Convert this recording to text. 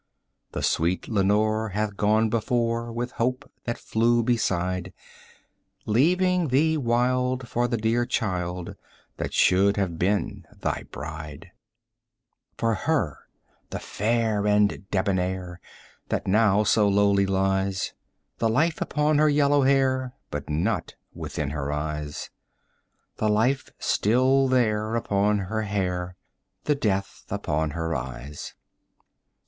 The sweet Lenore hath gone before, with Hope that flew beside, 15 Leaving thee wild for the dear child that should have been thy bride: For her, the fair and debonair, that now so lowly lies, The life upon her yellow hair but not within her eyes; The life still there, upon her hair the death upon her eyes.